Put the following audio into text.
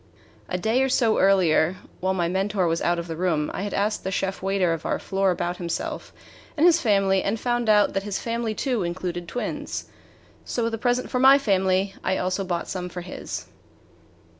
A day or so earlier, while my mentor was out of the room, I had asked the chef waiter of our floor about himself and his family, and found that his family too included twins. So with the present for my family I also brought some for his.